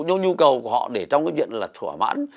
những nhu cầu của họ để trong cái việc là thỏa mãn